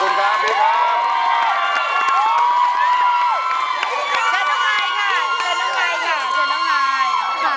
เชียร์น้องมายค่ะเชียร์น้องมายค่ะเชียร์น้องมาย